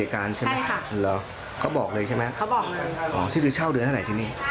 เขาบอกเลยใช่ไหมที่ถือเช่าเดือนเท่าไหร่ที่นี่